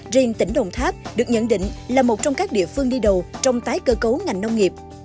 riêng tỉnh đồng tháp được nhận định là một trong các địa phương đi đầu trong tái cơ cấu ngành nông nghiệp